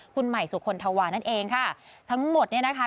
คุณใหม่สุคลธวานั่นเองค่ะทั้งหมดเนี่ยนะคะ